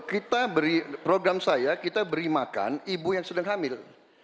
kita beri program saya kita beri makan ibu yang sedang hamil